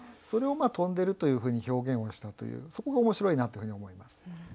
それを飛んでるというふうに表現をしたというそこが面白いなというふうに思います。